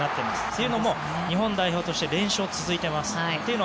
というのも日本代表として練習が続いています。